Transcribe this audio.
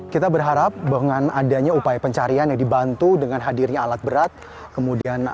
kita berharap dengan adanya upaya pencarian yang dibantu dengan hadirnya alat berat